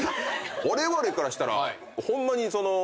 われわれからしたらホンマにその。